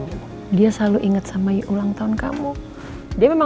ada juga yang tante